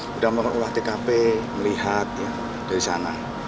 sudah mengulah tkp melihat dari sana